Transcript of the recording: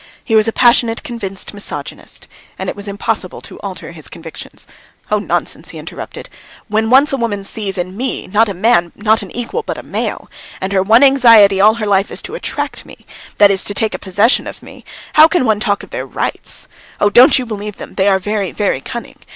He was a passionate, convinced misogynist, and it was impossible to alter his convictions. "Oh, nonsense!" he interrupted. "When once a woman sees in me, not a man, not an equal, but a male, and her one anxiety all her life is to attract me that is, to take possession of me how can one talk of their rights? Oh, don't you believe them; they are very, very cunning!